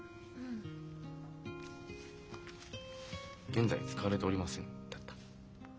「現在使われておりません」だった。